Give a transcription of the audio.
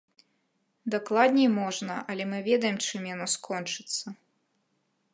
Дакладней можна, але мы ведаем, чым яно скончыцца.